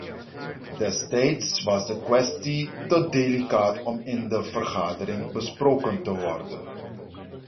Destijds was de kwestie te delicaat om in de vergadering besproken te worden.